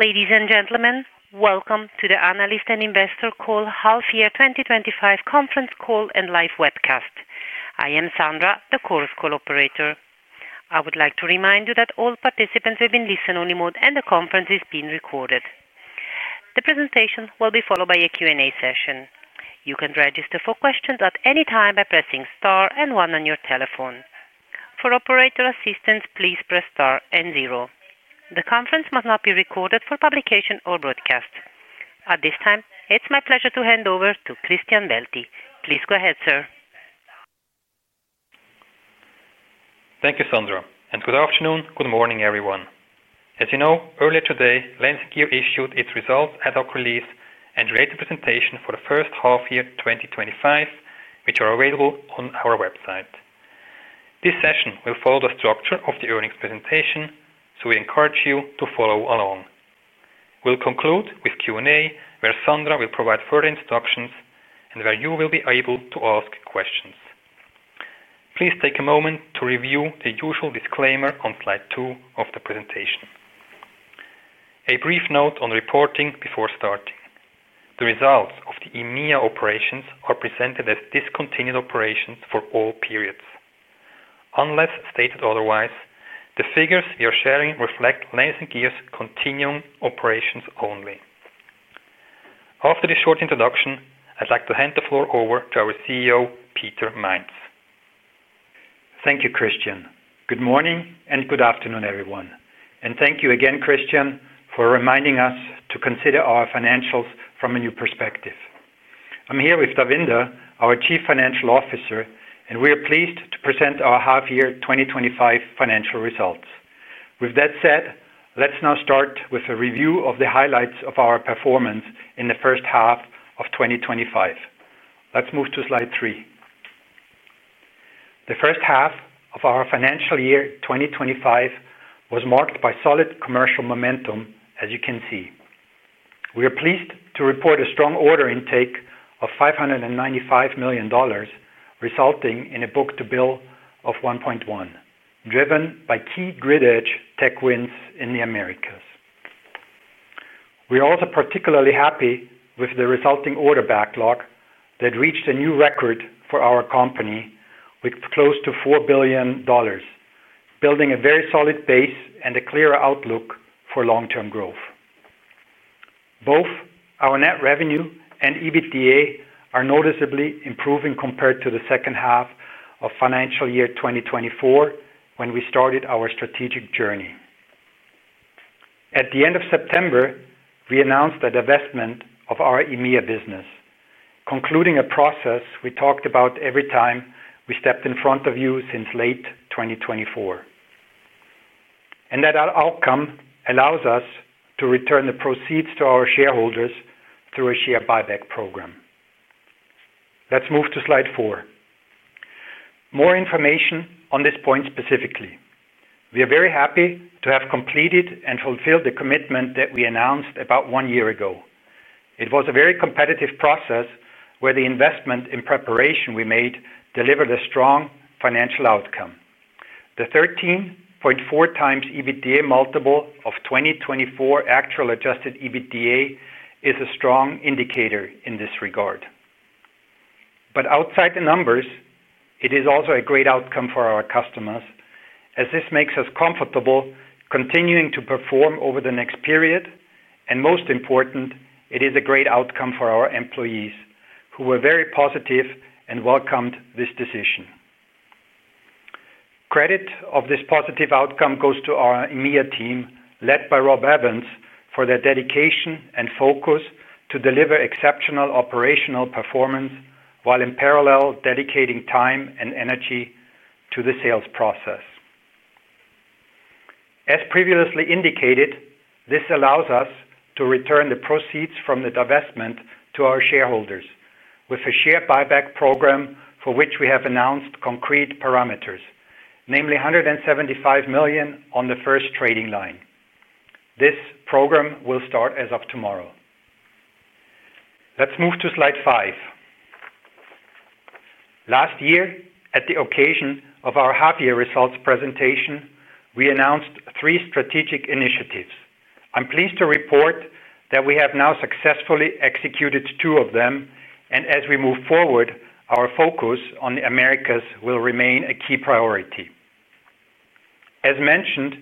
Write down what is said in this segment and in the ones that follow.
Ladies and gentlemen, welcome to the Analyst and Investor call Half Year 2025 conference call and live webcast. I am Sandra, the course call operator. I would like to remind you that all participants are in listen-only mode and the conference is being recorded. The presentation will be followed by a Q&A session. You can register for questions at any time by pressing star and one on your telephone. For operator assistance, please press star and zero. The conference must not be recorded for publication or broadcast at this time. It's my pleasure to hand over to Christian Waelti. Please go ahead, sir. Thank you, Sandro, and good afternoon. Good morning, everyone. As you know, earlier today Landis+Gyr Group AG issued its results ad hoc release and related presentations for the first half year 2025, which are available on our website. This session will follow the structure of the earnings presentation, so we encourage you to follow along. We'll conclude with Q&A, where Sandro will provide further instructions and where you will be able to ask questions. Please take a moment to review the usual disclaimer on slide two of the presentation. A brief note on reporting before starting. The results of the EMEA operations are presented as discontinued operations for all periods unless stated otherwise. The figures we are sharing reflect Landis+Gyr Group AG's continuing operations only. After this short introduction, I'd like to hand the floor over to our CEO, Peter Mainz. Thank you, Christian. Good morning and good afternoon, everyone. Thank you again, Christian, for reminding us to consider our financials from a new perspective. I'm here with Davinder, our Chief Financial Officer, and we are pleased to present our half year 2025 financial results. With that said, let's now start with a review of the highlights of our performance in the first half of 2025. Let's move to slide 3. The first half of our financial year 2025 was marked by solid commercial momentum, as you can see. We are pleased to report a strong order intake of $595 million, resulting in a book-to-bill of 1.1, driven by key Grid Edge tech wins in the Americas. We are also particularly happy with the resulting order backlog that reached a new record for our company with close to $4 billion, building a very solid base and a clear outlook for long-term growth. Both our net revenue and EBITDA are noticeably improving compared to the second half of financial year 2024, when we started our strategic journey. At the end of September, we announced the divestment of our EMEA business, concluding a process we talked about every time we stepped in front of you since late 2024, and that outcome allows us to return the proceeds to our shareholders through a share buyback program. Let's move to slide 4. More information on this point. Specifically, we are very happy to have completed and fulfilled the commitment that we announced about one year ago. It was a very competitive process where the investment in preparation we made delivered a strong financial outcome. The 13.4x EBITDA multiple of 2024 actual Adjusted EBITDA is a strong indicator in this regard, but outside the numbers, it is also a great outcome for our customers as this makes us comfortable continuing to perform over the next period and, most important, it is a great outcome for our employees who were very positive and welcomed this decision. Credit of this positive outcome goes to our EMEA team led by Rob Evans for their dedication and focus to deliver exceptional operational performance while in parallel dedicating time and energy to the sales process. As previously indicated, this allows us to return the proceeds from the divestment to our shareholders with a share buyback program for which we have announced concrete parameters, namely $175 million on the first trading line. This program will start as of tomorrow. Let's move to slide five. Last year at the occasion of our happy results presentation, we announced three strategic initiatives. I'm pleased to report that we have now successfully executed two of them, and as we move forward, our focus on the Americas will remain a key priority. As mentioned,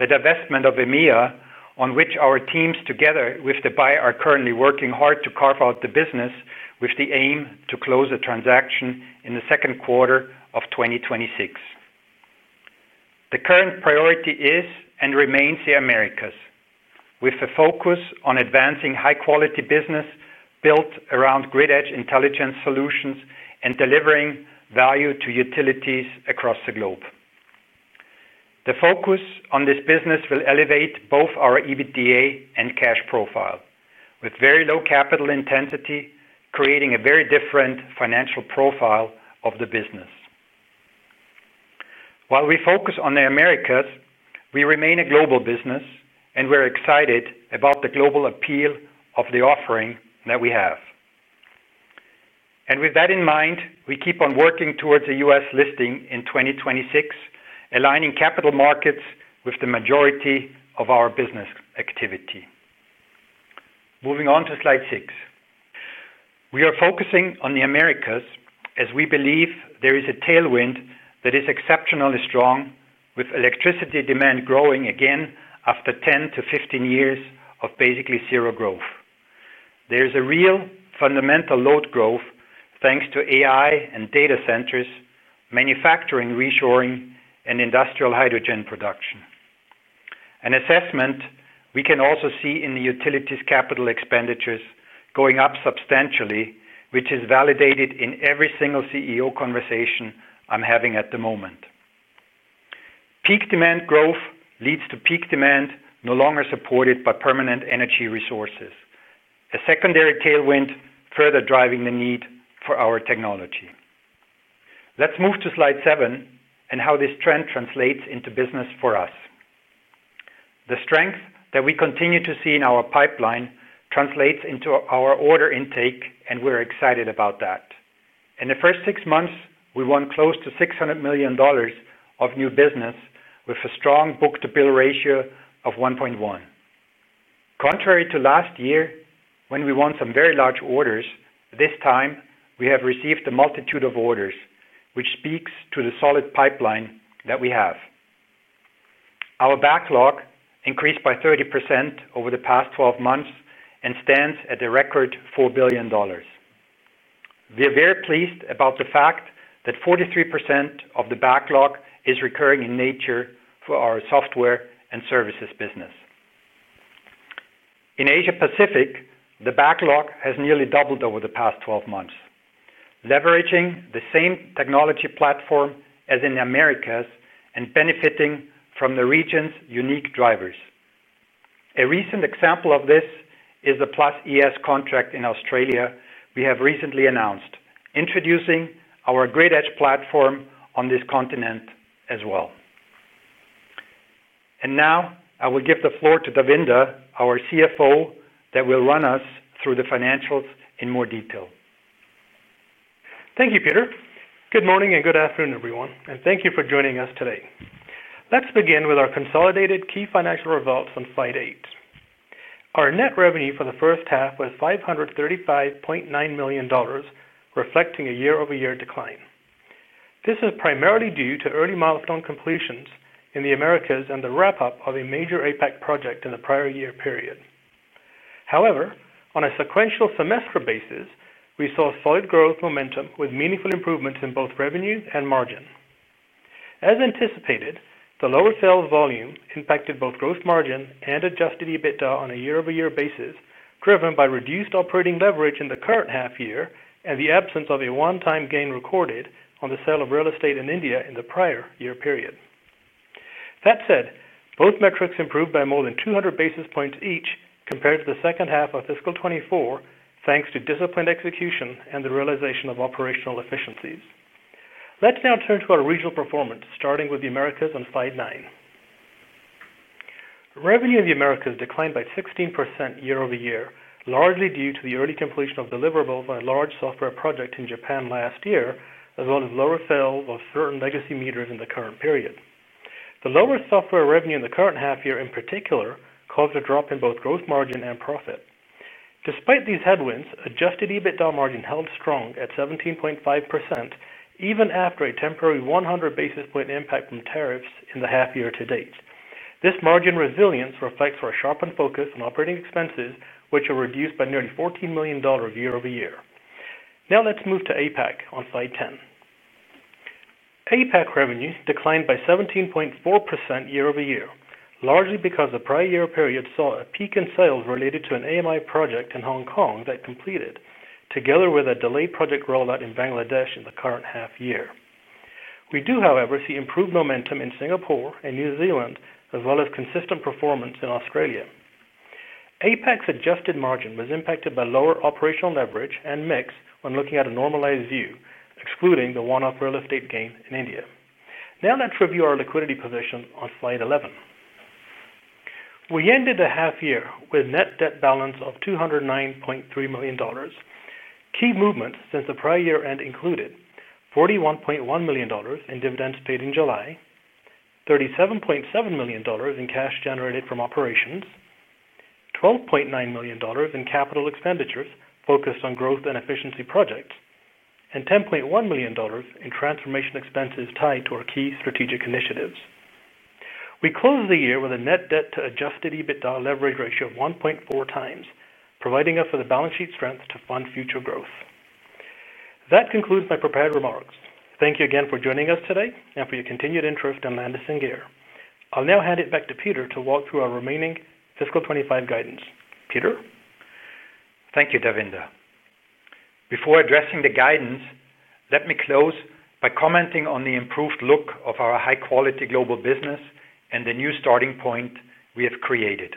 the divestment of EMEA, on which our teams together with the buyer are currently working hard to carve out the business with the aim to close the transaction in the second quarter of 2026. The current priority is and remains the Americas with a focus on advancing high quality business built around grid edge intelligence solutions and delivering value to utilities across the globe. The focus on this business will elevate both our EBITDA and cash profile with very low capital intensity, creating a very different financial profile of the business. While we focus on the Americas, we remain a global business and we're excited about the global appeal of the offering that we have. With that in mind, we keep on working towards a U.S. listing in 2026, aligning capital markets with the majority of our business activity. Moving on to slide six, we are focusing on the Americas as we believe there is a tailwind that is exceptionally strong with electricity demand growing again after 10-15 years of basically zero growth. There is a real fundamental load growth thanks to AI and data centers, manufacturing reshoring, and industrial hydrogen production, an assessment we can also see in the utilities capital expenditures going up substantially, which is validated in every single CEO conversation I'm having at the moment. Peak demand growth leads to peak demand no longer supported by permanent energy resources, a secondary tailwind further driving the need for our technology. Let's move to slide 7 and how this trend translates into business for us. The strength that we continue to see in our pipeline translates into our order intake, and we're excited about that. In the first six months, we won close to $600 million of new business with a strong book-to-bill ratio of 1.1. Contrary to last year when we won some very large orders, this time we have received a multitude of orders, which speaks to the solid pipeline that we have. Our backlog increased by 30% over the past 12 months and stands at a record $4 billion. We are very pleased about the fact that 43% of the backlog is recurring in nature for our software and services business in Asia Pacific. The backlog has nearly doubled over the past 12 months, leveraging the same technology platform as in the Americas and benefiting from the region's unique drivers. A recent example of this is the Plus ES contract in Australia. We have recently announced introducing our Grid Edge platform on this continent as well. I will give the floor to Davinder, our CFO, that will run us through the financials in more detail. Thank you, Peter. Good morning and good afternoon, everyone, and thank you for joining us today. Let's begin with our consolidated key financial results on Slide 8. Our net revenue for the first half was $535.9 million, reflecting a year-over-year decline. This is primarily due to early milestone completions in the Americas and the wrap-up of a major APAC project in the prior year period. However, on a sequential semester basis, we saw solid growth momentum with meaningful improvements in both revenue and margin. As anticipated, the lower sales volume impacted both gross margin and Adjusted EBITDA on a year-over-year basis, driven by reduced operating leverage in the current half year and the absence of a one-time gain recorded on the sale of real estate in India in the prior year period. That said, both metrics improved by more than 200 basis points each compared to the second half of fiscal 2024, thanks to disciplined execution and the realization of operational efficiencies. Let's now turn to our regional performance, starting with the Americas on Slide 9. Revenue in the Americas declined by 16% year-over-year, largely due to the early completion of deliverables on a large software project in Japan last year, as well as lower sales of certain legacy meters in the current period. The lower software revenue in the current half year in particular caused a drop in both gross margin and profit. Despite these headwinds, Adjusted EBITDA margin held strong at 17.5% even after a temporary 100 basis point impact from tariffs in the half year to date. This margin resilience reflects our sharpened focus on operating expenses, which are reduced by nearly $14 million year-over-year. Now let's move to APAC on Slide 10. APAC revenue declined by 17.4% year-over-year, largely because the prior year period saw a peak in sales related to an advanced metering infrastructure solutions project in Hong Kong that completed together with a delayed project rollout in Bangladesh in the current half year. We do, however, see improved momentum in Singapore and New Zealand as well as consistent performance in Australia. APAC's adjusted margin was impacted by lower operational leverage and mix when looking at a normalized view excluding the one-off real estate gain in India. Now let's review our liquidity position on Slide 11. We ended the half year with net debt balance of $209.3 million. Key movements since the prior year end included $41.1 million in dividends paid in July, $37.7 million in cash generated from operations, $12.9 million in capital expenditures focused on growth and efficiency projects, and $10.1 million in transformation expenses tied to our key strategic initiatives. We closed the year with a net debt to Adjusted EBITDA leverage ratio of 1.4 times, providing us with the balance sheet strength to fund future growth. That concludes my prepared remarks. Thank you again for joining us today and for your continued interest in Landis+Gyr. I'll now hand it back to Peter to walk through our remaining fiscal 2025 guidance. Peter thank you Davinder. Before addressing the guidance, let me close by commenting on the improved look of our high quality global business and the new starting point we have created.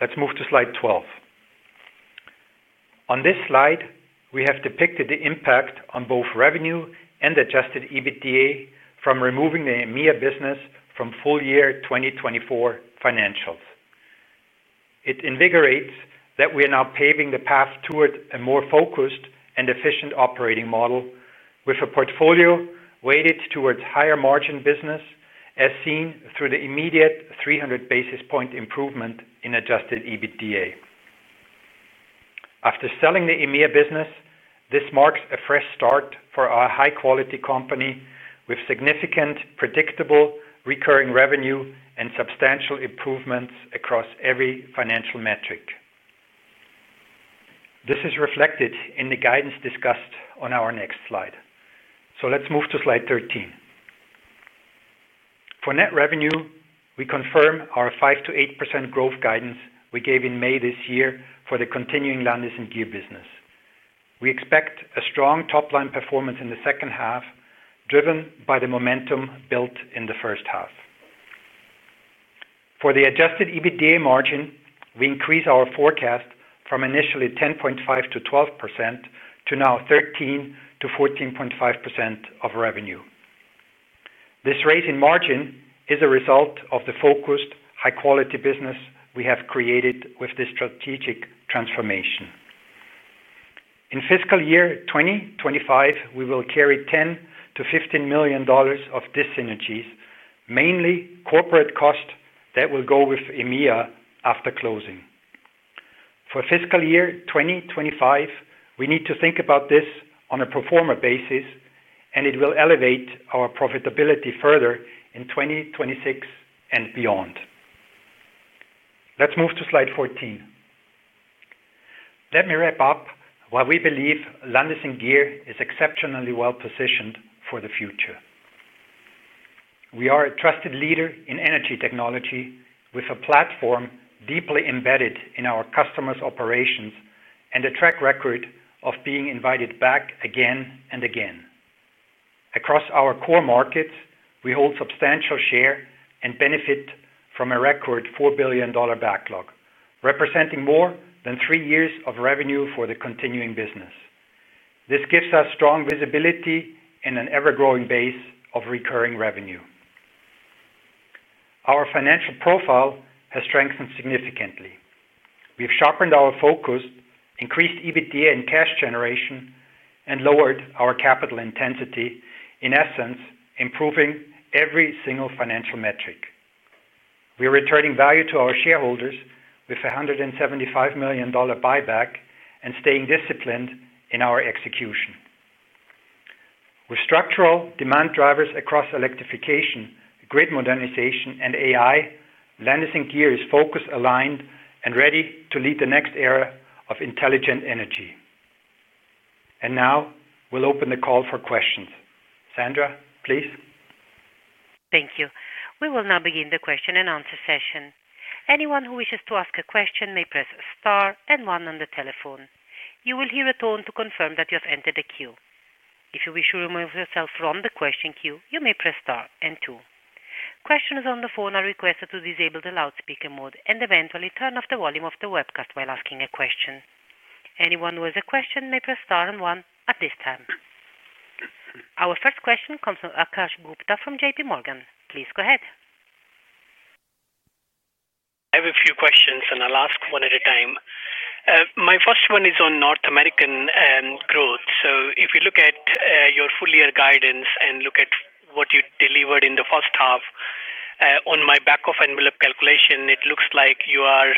Let's move to slide 12. On this slide we have depicted the impact on both revenue and Adjusted EBITDA from removing the EMEA business from full year 2024 financials. It invigorates that we are now paving the path toward a more focused and efficient operating model with a portfolio weighted towards higher margin business as seen through the immediate 300 basis point improvement in Adjusted EBITDA after selling the EMEA business. This marks a fresh start for our high quality company with significant predictable recurring revenue and substantial improvements across every financial metric. This is reflected in the guidance discussed on our next slide. Let's move to slide 13. For net revenue we confirm our 5%-8% growth guidance we gave in May this year for the continuing Landis+Gyr business. We expect a strong top line performance in the second half driven by the momentum built in the first half. For the Adjusted EBITDA margin, we increase our forecast from initially 10.5%-12% to now 13%-14.5% of revenue. This raise in margin is a result of the focused high quality business we have created with this strategic transformation. In fiscal year 2025 we will carry $10 million-$15 million of dis-synergies, mainly corporate cost that will go with EMEA after closing for fiscal year 2025. We need to think about this on a pro forma basis and it will elevate our profitability further in 2026 and beyond. Let's move to slide 14. Let me wrap up why we believe Landis+Gyr is exceptionally well positioned for the future. We are a trusted leader in energy technology with a platform deeply embedded in our customers' operations and a track record of being invited back again and again across our core markets. We hold substantial share and benefit from a record $4 billion backlog representing more than three years of revenue for the continuing business. This gives us strong visibility in an ever growing base of recurring revenue. Our financial profile has strengthened significantly. We have sharpened our focus, increased EBITDA and cash generation and lowered our capital intensity, in essence improving every single financial metric. We are returning value to our shareholders with $175 million buyback and staying disciplined in our execution. With structural demand drivers across electrification, grid modernization and AI, Landis+Gyr is focused, aligned and ready to lead the next era of intelligent energy. Now we'll open the call for questions. Sandra please. Thank you. We will now begin the question-and-answer session. Anyone who wishes to ask a question may press star and one on the telephone. You will hear a tone to confirm that you have entered the queue. If you wish to remove yourself from the question queue, you may press star and two. Questioners on the phone are requested to disable the loudspeaker mode and eventually turn off the volume of the webcast while asking a question. Anyone who has a question may press star and one at this time. Our first question comes from Akash Gupta from J.P. Morgan. Please go ahead. I have a few questions and I'll ask one at a time. My first one is on North American growth. If you look at your full year guidance and look at what you delivered in the first half, on my back of envelope calculation, it looks like you are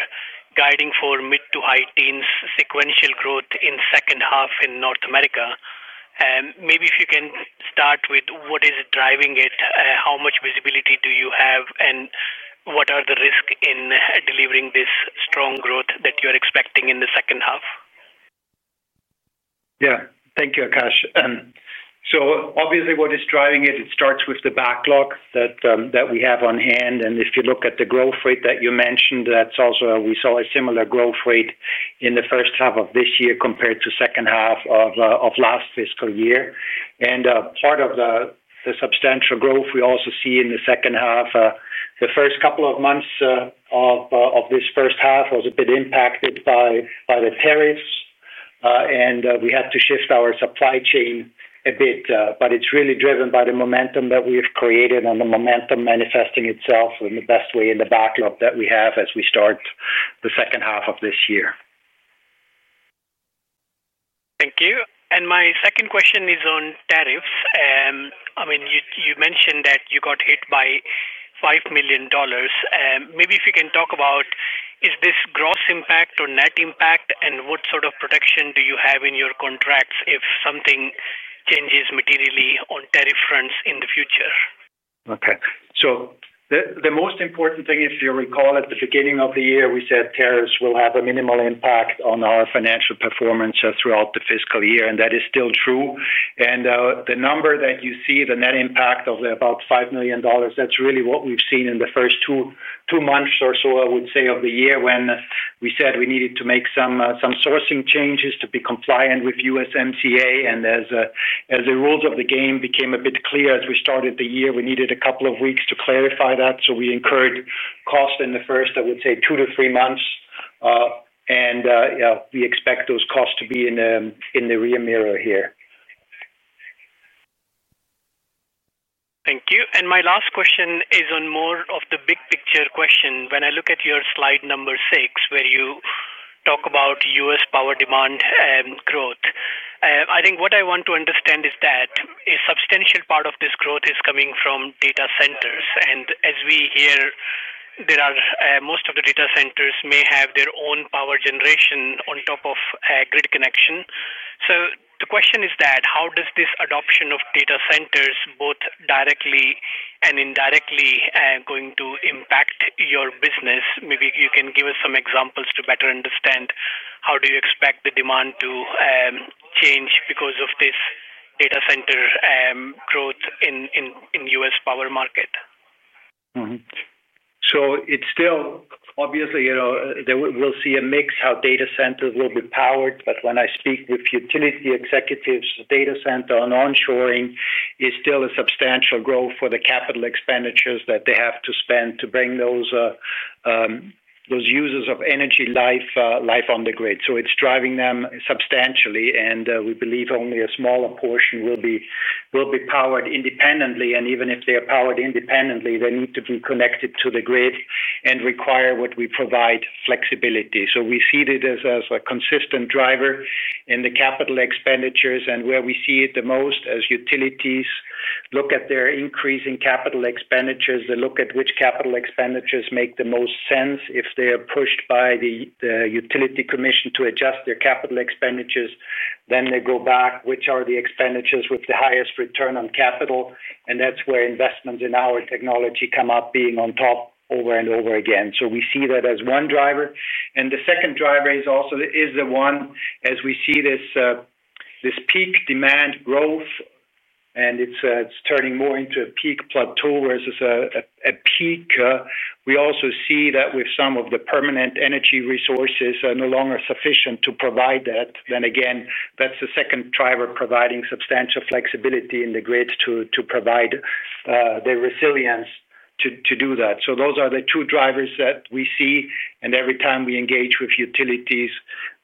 guiding for mid to high teens sequential growth in the second half in North America. Maybe if you can start with what is driving it, how much visibility do you have, and what are the risks in delivering this strong growth that you are expecting in the second half. Thank you, Akash. Obviously, what is driving it starts with the backlog that we have on hand. If you look at the growth rate that you mentioned, we saw a similar growth rate in the first half of this year compared to the second half of last fiscal year. Part of the substantial growth we also see in the second half. The first couple of months of this first half was a bit impacted by the tariffs, and we had to shift our supply chain a bit. It's really driven by the momentum that we have created, with the momentum manifesting itself in the best way in the backlog that we have as we start the second half of this year. Thank you. My second question is on tariffs. You mentioned that you got hit by $5 million. Maybe if you can talk about is this gross impact or net impact, and what sort of protection do you have in your contracts if something changes materially on tariff fronts in the future. Okay. The most important thing, if you recall at the beginning of the year, we said tariffs will have a minimal impact on our financial performance throughout the fiscal year. That is still true. The number that you see, the net impact of about $5 million, that's really what we've seen in the first two months or so of the year when we said we needed to make some sourcing changes to be compliant with USMCA. As the rules of the game became a bit clearer as we started the year, we needed a couple of weeks to clarify that. We incurred cost in the first, I would say, two to three months. We expect those costs to be in the rear mirror here. Thank you. My last question is more of a big picture question. When I look at your slide number six where you talk about U.S. power demand growth, I think what I want to understand is that a substantial part of this growth is coming from data centers. As we hear, most of the data centers may have their own power generation on top of a grid connection. The question is, how does this adoption of data centers both directly and indirectly impact your business? Maybe you can give us some examples to better understand how you expect the demand to change because of this data center growth in the U.S. power market? It's still obviously we'll see a mix how data centers will be powered, but when I speak with utility executives, data center onshoring is still a substantial growth for the capital expenditures that they have to spend to bring those users of energy life on the grid. It's driving them substantially. We believe only a smaller portion will be powered independently. Even if they are powered independently, they need to be connected to the grid and require what we provide, flexibility. We see it as a consistent driver in the capital expenditures. Where we see it the most, as utilities look at their increasing capital expenditures, they look at which capital expenditures make the most sense. If they are pushed by the utility commission to adjust their capital expenditures, they go back to which are the expenditures with the highest return on capital. That's where investments in our technology come up being on top over and over again. We see that as one driver and the second driver is also the one as we see this peak demand growth and it's turning more into a peak plateau versus a peak. We also see that with some of the permanent energy resources no longer sufficient to provide that, then again, that's the second driver providing substantial flexibility in the grid to provide the resilience to do that. Those are the two drivers that we see. Every time we engage with utilities,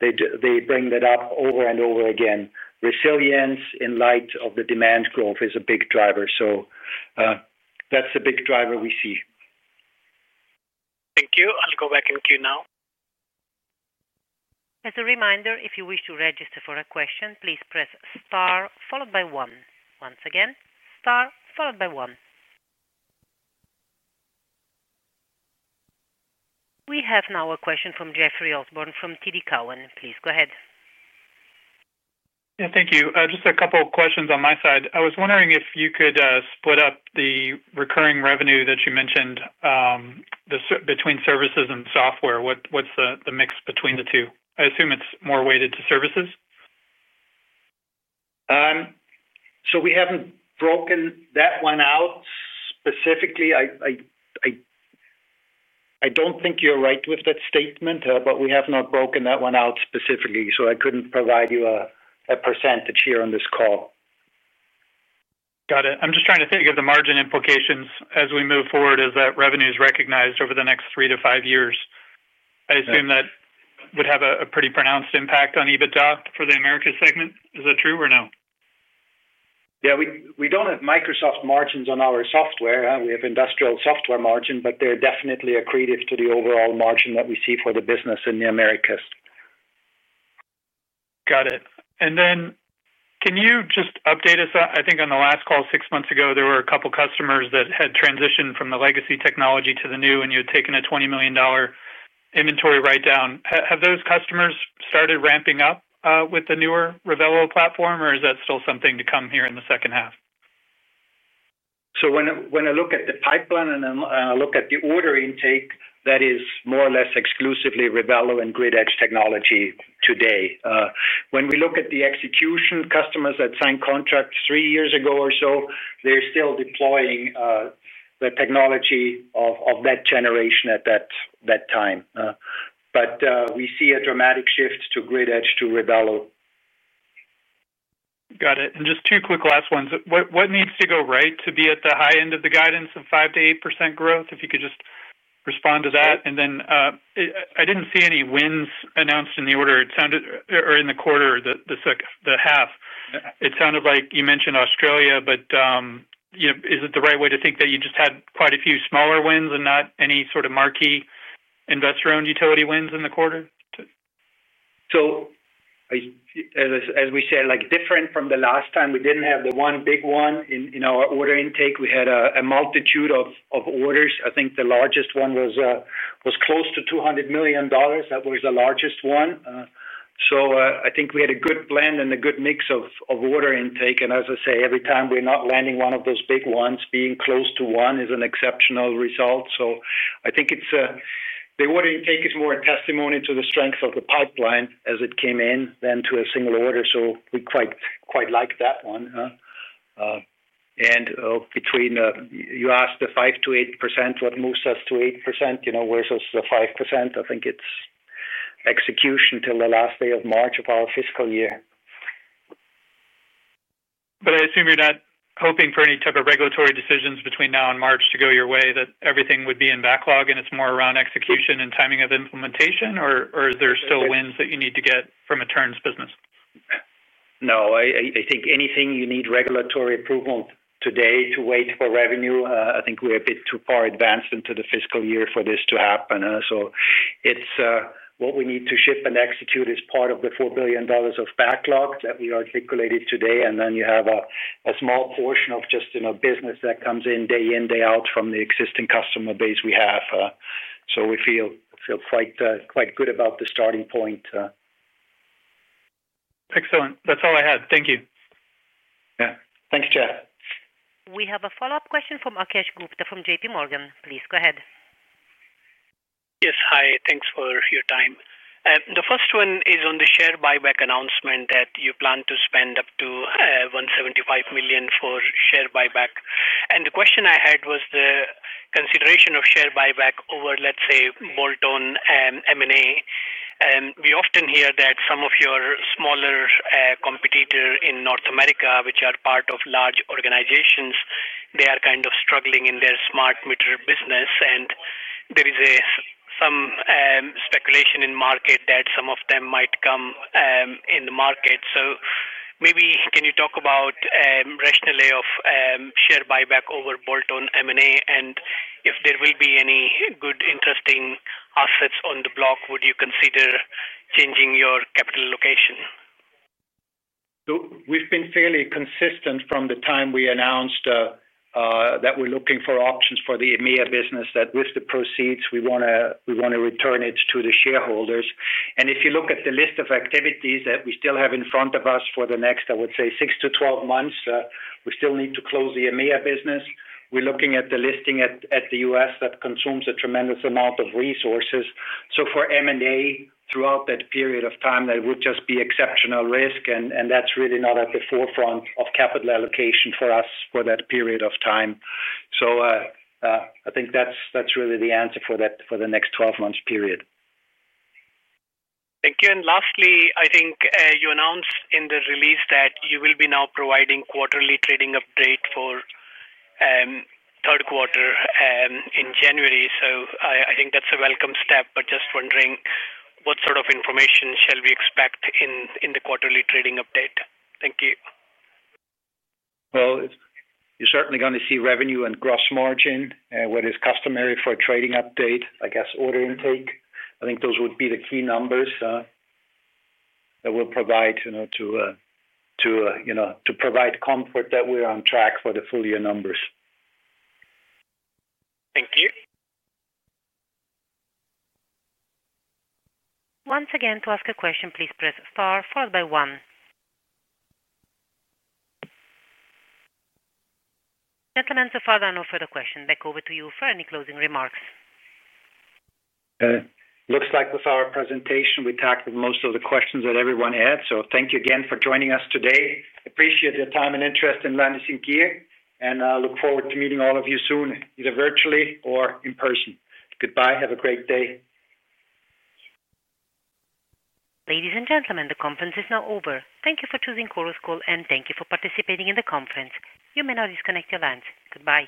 they bring that up over and over again. Resilience, enlightenment of the demand growth is a big driver. That's a big driver we see. Thank you. I'll go back in queue now. As a reminder, if you wish to register for a question, please press star followed by one. Once again, star followed by one. We have now a question from Jeffrey Osborne from TD Cowen. Please go ahead. Yeah, thank you. Just a couple questions on my side. I was wondering if you could split up the recurring revenue that you mentioned between services and software. What's the mix between the two? I assume it's more weighted to services. We haven't broken that one out specifically. I don't think you're right with that statement, but we have not broken that one out specifically. I couldn't provide you percentage here on this call. Got it. I'm just trying to think of the margin implications as we move forward as that revenue is recognized over the next three to five years. I assume that would have a pretty pronounced impact on EBITDA for the Americas segment. Is that true or no? Yeah, we don't have Microsoft margins on our software. We have industrial software margin, but they're definitely accretive to the overall margin that we see for the business in the Americas. Got it. Can you just update us? I think on the last call six months ago there were a couple customers that had transitioned from the legacy technology to the new, and you had taken a $20 million inventory write-down. Have those customers started ramping up with the newer Revelo platform, or is that still something to come here in the second half? When I look at the pipeline and I look at the order intake, that is more or less exclusively Revelo and Grid Edge technology today. When we look at the execution, customers that signed contracts three years ago or so are still deploying the technology of that generation at that time. We see a dramatic shift to Grid Edge, to Revelo. Got it. Just two quick last ones. What needs to go right to be at the high end of the guidance of 5%-8% growth? If you could just respond to that. I didn't see any wins announced in the order, or in the quarter, the half. It sounded like you mentioned Australia. Is it the right way to think that you just had quite a few smaller wins and not any sort of marquee investor-owned utility wins in the quarter? As we said, like different from. The last time, we didn't have the one big one in our order intake. We had a multitude of orders. I think the largest one was close to $200 million. That was the largest one. I think we had a good blend and a good mix of order intake, and as I say every time we're not landing one of those big ones, being close to one is an exceptional result. I think the order intake is more a testimony to the strength of the pipeline as it came in than to a single order. We quite like that one. Between you asked the 5%-8%, what moves us to 8% versus the 5%, I think it's execution till the last day of March of our fiscal year. I assume you're not hoping for any type of regulatory decisions between now and March to go your way, that everything would be in backlog, and it's more around execution and timing of implementation, or there still wins that you need to get from a turns business. No, I think anything you need regulatory approval for today to wait for revenue. I think we're a bit too far advanced into the fiscal year for this to happen. It's what we need to ship and execute as part of the $4 billion of backlog that we articulated today. You have a small portion of business that comes in day in, day out from the existing customer base we have. I feel quite good about the starting point. Excellent. That's all I have. Thank you. Yeah, thanks Jeff. We have a follow up question from Akash Gupta from JPMorgan. Please go ahead. Yes, hi, thanks for your time. The first one is on the share buyback announcement that you plan to spend up to $175 million for share buyback. The question I had was the consideration of share buyback over let's say bolt-on M&A. We often hear that some of your smaller competitors in North America, which are part of large organizations, are kind of struggling in their smart meter business and there is some speculation in the market that some of them might come in the market. Maybe can you talk about rationale of share buyback over bolt-on M&A and if there will be any good interesting assets on the block. Would you consider changing your capital allocation? We've been fairly consistent from the time we announced that we're looking for options for the EMEA business, that with the proceeds we want to return it to the shareholders. If you look at the list of activities that we still have in front of us for the next, I would say, six to 12 months, we still need to close the EMEA business. We're looking at the listing at the U.S. that consumes a tremendous amount of resources. For M&A throughout that period of time, that would just be exceptional risk, and that's really not at the forefront of capital allocation for us for that period of time. I think that's really the answer for the next 12 months period. Thank you. Lastly, I think you announced in the release that you will be now providing quarterly trading update for third quarter in January. I think that's a welcome step. Just wondering what sort of information shall we expect in the quarterly trading update? Thank you. You're certainly going to see revenue and gross margin. What is customary for a trading update, I guess order intake. I think those would be the key numbers that we'll provide to provide comfort that we're on track for the full year numbers. Thank you. Once again, to ask a question, please press star followed by one. So far, there are no further questions. Back over to you for any closing remarks. Looks like with our presentation we tackled most of the questions that everyone had. Thank you again for joining us today. Appreciate your time and interest in Landis+Gyr and look forward to meeting all of you soon, either virtually or in person. Goodbye. Have a great day. Ladies and gentlemen, the conference is now over. Thank you for choosing Chorus Call, and thank you for participating in the conference. You may now disconnect your lines. Goodbye.